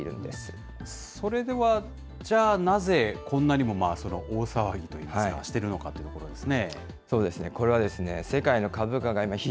それでは、じゃあなぜこんなにも大騒ぎといいますか、してるのかということですね。